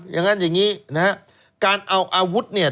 อย่างนั้นอย่างนี้นะฮะการเอาอาวุธเนี่ย